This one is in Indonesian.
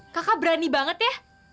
kakak berani banget ya